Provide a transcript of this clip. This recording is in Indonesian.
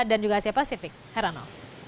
dan juga asia pasifik herano